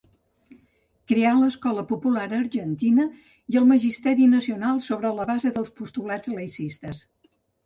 Creà l'escola popular argentina i el magisteri nacional sobre la base dels postulats laïcistes.